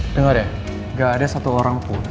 dengar ya gak ada satu orang pun